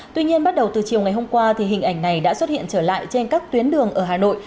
tuy nhiên bắt đầu từ chiều ngày hôm qua thì hình ảnh này đã xuất hiện trở lại trên các tuyến đường ở hà nội